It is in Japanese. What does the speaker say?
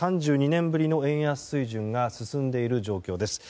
３２年ぶりの円安水準が進んでいる状況です。